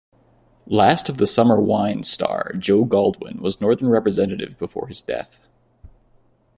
"Last of the Summer Wine" star Joe Gladwin was Northern representative before his death.